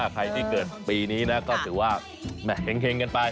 ใครที่เกิดปีนี้นะก็ถือว่าเห็งกันไป